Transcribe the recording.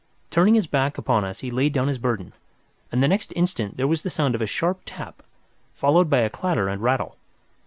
Turning his back upon us he laid down his burden, and the next instant there was the sound of a sharp tap, followed by a clatter and rattle.